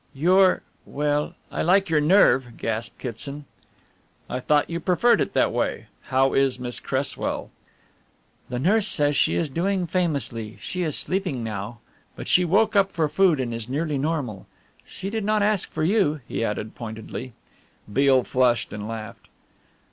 "Your well, I like your nerve!" gasped Kitson. "I thought you preferred it that way how is Miss Cresswell?" "The nurse says she is doing famously. She is sleeping now; but she woke up for food and is nearly normal. She did not ask for you," he added pointedly. Beale flushed and laughed.